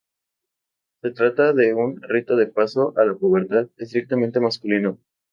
Se trata de un rito de paso a la pubertad, estrictamente masculino.